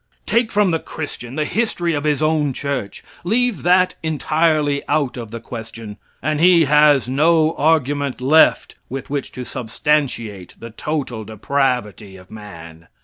Take from the Christian the history of his own church; leave that entirely out of the question, and he has no argument left with which to substantiate the total depravity of man.